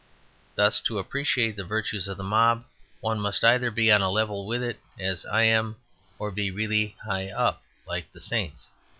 Thus, to appreciate the virtues of the mob one must either be on a level with it (as I am) or be really high up, like the saints.